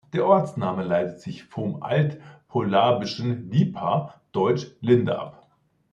Der Ortsname leitet sich vom altpolabischen "lipa", deutsch ‚Linde‘ ab.